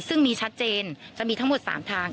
ซึ่งมีชัดเจนจะมีทั้งหมด๓ทาง